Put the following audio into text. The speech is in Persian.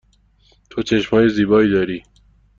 تو چشم های زیبایی داری.